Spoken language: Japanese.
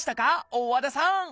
大和田さん